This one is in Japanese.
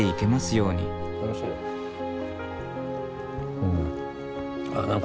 うん。